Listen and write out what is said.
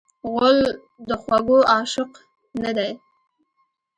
غول د خوږو عاشق نه دی.